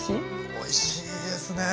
おいしいですね。